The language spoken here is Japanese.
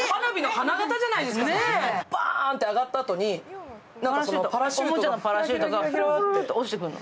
バーンて上がったあとにおもちゃのパラシュートがぷるぷるって落ちてくるの。